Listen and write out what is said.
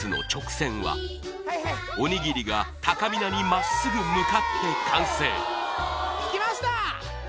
おにぎりがたかみなに真っすぐ向かって完成